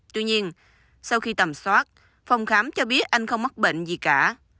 tuy nhiên sau khi tầm soát phòng khám cho biết anh không mắc bệnh gì cả